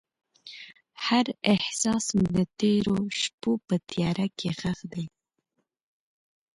هر احساس مې د تیرو شپو په تیاره کې ښخ دی.